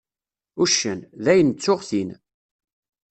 Uccen: Dayen ttuγ-t-in.